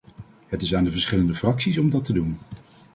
Het is aan de verschillende fracties om dat te doen.